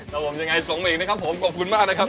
ครับผมยังไงส่งมาอีกนะครับผมขอบคุณมากนะครับ